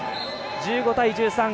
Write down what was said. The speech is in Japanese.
１５対１３。